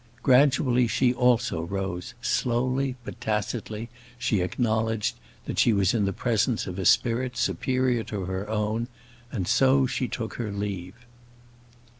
Gradually she also rose; slowly, but tacitly, she acknowledged that she was in the presence of a spirit superior to her own; and so she took her leave.